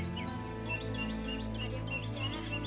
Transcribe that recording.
tadi aku berbicara